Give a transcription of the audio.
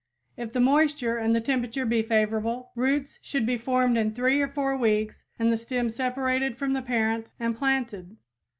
If the moisture and the temperature be favorable, roots should be formed in three or four weeks and the stem separated from the parent and planted.